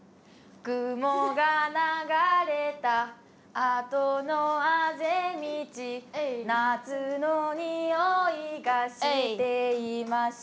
「雲が流れたあとのあぜ道」「夏の匂いがしていました」